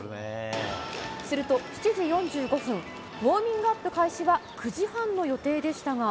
すると、７時４５分、ウォーミングアップ開始は９時半の予定でしたが。